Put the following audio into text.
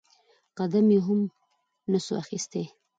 قدم يې هم نسو اخيستى.